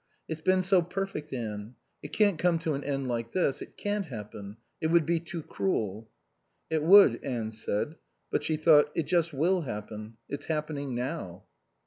It's been so perfect, Anne. It can't come to an end like this. It can't happen. It would be too cruel." "It would," Anne said. But she thought: "It just will happen. It's happening now."